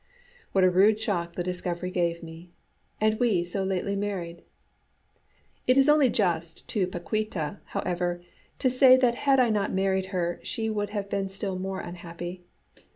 What a rude shock the discovery gave me! And we so lately married! It is only just to Paquíta, however, to say that had I not married her she would have been still more unhappy.